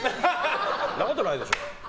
そんなことないでしょう！